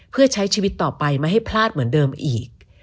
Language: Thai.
เพื่อใช้ชีวิตต่อไปไม่ให้พลาดเหมือนเดิมอีก